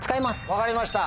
分かりました。